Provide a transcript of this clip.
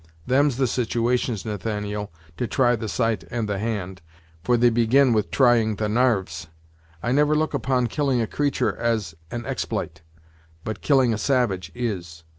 Them's the situations, Nathaniel, to try the sight and the hand, for they begin with trying the narves. I never look upon killing a creatur' as an explite; but killing a savage is.